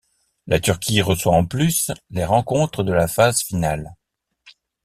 La Turquie reçoit en plus les rencontres de la phase finale.